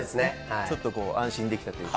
ちょっとこう、安心できたというか。